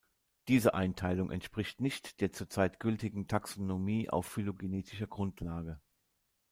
Diese Einteilung entspricht nicht der zurzeit gültigen Taxonomie auf phylogenetischer Grundlage.